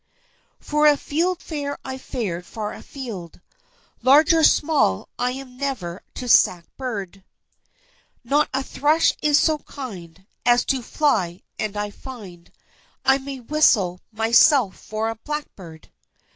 For a field fare I've fared far a field, Large or small I am never to sack bird, Not a thrush is so kind As to fly, and I find I may whistle myself for a black bird!